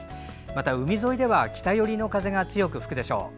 また、海沿いでは北寄りの風が強く吹くでしょう。